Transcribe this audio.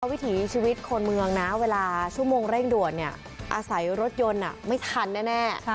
วิถีชีวิตคนเมืองนะเวลาชั่วโมงเร่งด่วนอาศัยรถยนต์ไม่ทันแน่